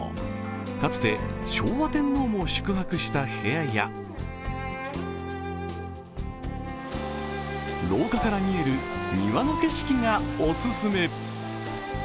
かつて昭和天皇も宿泊した部屋や廊下から見える庭の景色がオススメ。